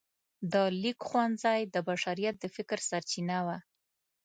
د لیک ښوونځی د بشریت د فکر سرچینه وه.